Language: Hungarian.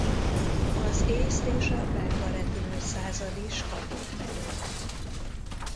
Az Észt és a belga repülő század is kapott belőle.